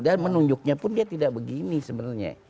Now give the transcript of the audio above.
dan menunjuknya pun dia tidak begini sebenarnya